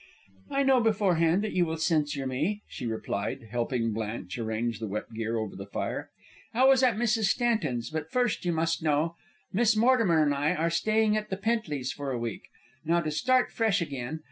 "I know beforehand that you will censure me," she replied, helping Blanche arrange the wet gear over the fire. "I was at Mrs. Stanton's; but first, you must know, Miss Mortimer and I are staying at the Pently's for a week. Now, to start fresh again.